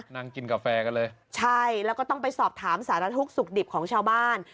นั่งกินกาแฟกันเลยใช่แล้วก็ต้องไปสอบถามสารทุกข์สุขดิบของชาวบ้าน